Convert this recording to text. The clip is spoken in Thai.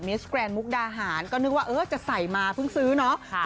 สแกรนดมุกดาหารก็นึกว่าจะใส่มาเพิ่งซื้อเนาะ